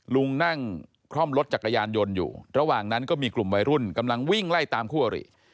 ลุงนั่งคล่อมรถจักรยานยนต์อยู่ระหว่างนั้นก็มีกลุ่มวัยรุ่นกำลังวิ่งไล่ตามคู่อริ